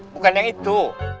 bukan yang itu